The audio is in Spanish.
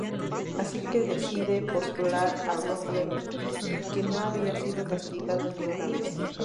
Así que decide postular a Rowley, que no había sido castigado ni una vez.